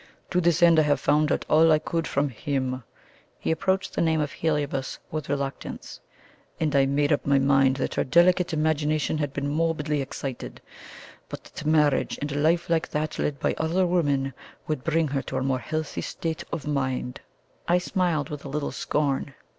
To this end I found out all I could from HIM" he approached the name of Heliobas with reluctance "and I made up my mind that her delicate imagination had been morbidly excited; but that marriage and a life like that led by other women would bring her to a more healthy state of mind." I smiled with a little scorn.